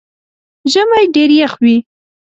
ژمئ ډېر يخ وي